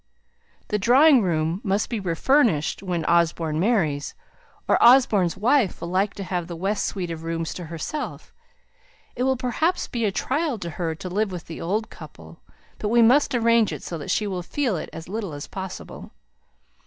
"The drawing room must be refurnished when Osborne marries" or "Osborne's wife will like to have the west suite of rooms to herself; it will perhaps be a trial to her to live with the old couple; but we must arrange it so that she will feel it as little as possible."